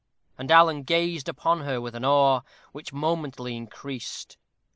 And Alan gazed upon her with an awe which momently increased.